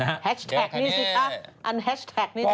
อันแฮชแท็กนี่สิ